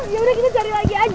yaudah kita cari lagi aja